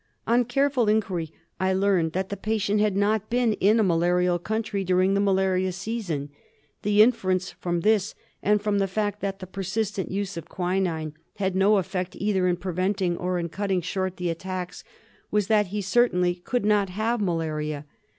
On careful inquiry I learned that the patient had not been in a malarial country during the malaria season. The inference from this, and from the fact that the persistent use of quinine had no effect either in preventing or in cutting short the attacks, was that he certainly could not have malaria.